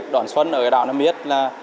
đón xuân ở đảo nam miết